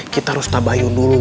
kita harus tabayun dulu